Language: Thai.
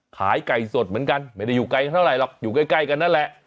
ขายไก่สดเหมือนกันไม่ได้อยู่ไกลเท่าไหรหรอกอยู่ใกล้กันนั่นแหละ